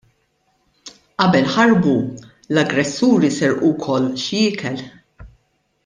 Qabel ħarbu, l-aggressuri serqu wkoll xi ikel.